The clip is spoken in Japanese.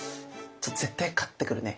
絶対勝ってくるね！